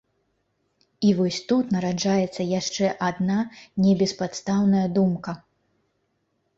І вось тут нараджаецца яшчэ адна, небеспадстаўная думка.